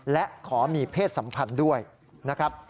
และขอมีเพศสัมพันธ์ด้วยนะครับ